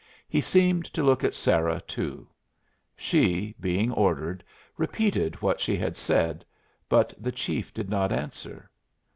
He seemed to look at Sarah, too. She, being ordered, repeated what she had said; but the chief did not answer.